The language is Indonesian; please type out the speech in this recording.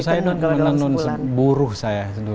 kalau dulu saya menenun buruh saya